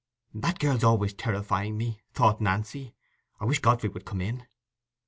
"That girl is always terrifying me," thought Nancy; "I wish Godfrey would come in."